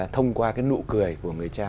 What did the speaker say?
thông qua cái nụ cười của người cha